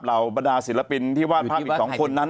บรรดาศิลปินที่วาดภาพอีก๒คนนั้น